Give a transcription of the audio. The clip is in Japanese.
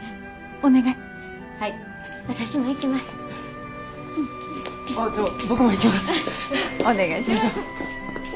お願いします。